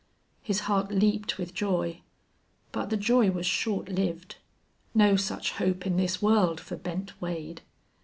His heart leaped with joy. But the joy was short lived. No such hope in this world for Bent Wade!